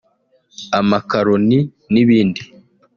amakaloni n’ibindi”